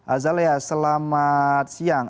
azalea selamat siang